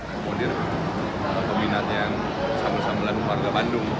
pemudir peminat yang sambal sambalan warga bandung